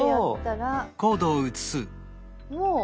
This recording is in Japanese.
もう。